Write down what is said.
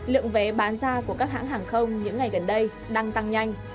lượng vé bán ra của các hãng hàng không những ngày gần đây đang tăng nhanh